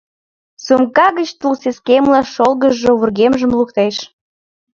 Сумка гыч тулсескемла чолгыжшо вургемжым луктеш.